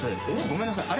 ごめんなさい。